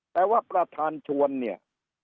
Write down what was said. แต่ว่าประธานชวนเนี่ย